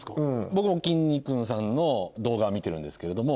僕もきんに君さんの動画は見てるんですけれども。